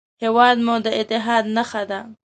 هېواد مو د اتحاد نښه ده